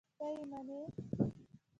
ته یې منې؟!